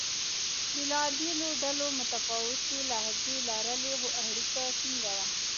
بېلابېلو ډلو متفاوتې لهجې لرلې؛ خو اړیکه ټینګه وه.